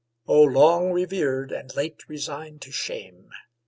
O long revered, and late resigned to shame!